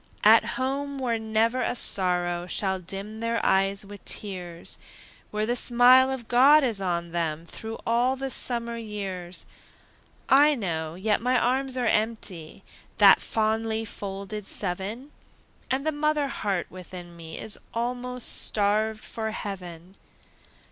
At home, where never a sorrow Shall dim their eyes with tears! Where the smile of God is on them Through all the summer years! I know, yet my arms are empty, That fondly folded seven, And the mother heart within me Is almost starved for heaven.